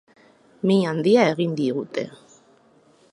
Min handia egin digute.